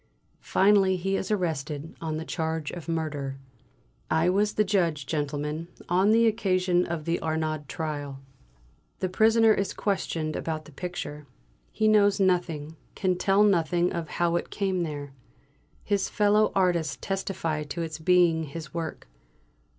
Finally he is arrested on the charge of murder. I was the judge, gentlemen, on the occasion of the Arnaud trial. The prisoner is questioned about the picture. He knows nothing; can tell nothing of how it came there. His fellow artists testify to its being his work.